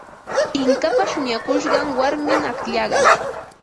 Inkapa shuñakushqan warmim akllaqa.